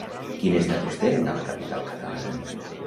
Quin estatus tenen a la capital catalana?